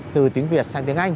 từ tiếng việt sang tiếng anh